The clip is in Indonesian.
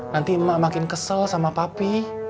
nanti emak makin kesel sama papi